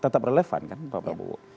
tetap relevan kan pak prabowo